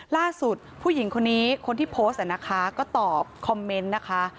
ผู้หญิงคนนี้คนที่โพสต์นะคะก็ตอบคอมเมนต์นะคะ